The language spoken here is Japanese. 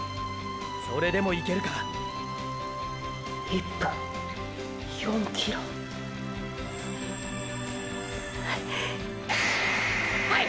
それでもいけるか⁉１分４ｋｍ――はい！！